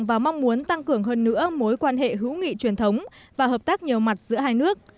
và mong muốn tăng cường hơn nữa mối quan hệ hữu nghị truyền thống và hợp tác nhiều mặt giữa hai nước